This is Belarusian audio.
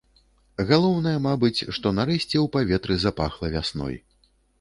Галоўнае, мабыць, што нарэшце ў паветры запахла вясной.